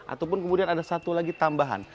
ataupun kemudian ada satu lagi tambahan